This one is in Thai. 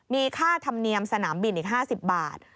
มีค่าธรรมเนียมสนามบินอีก๕๐บาท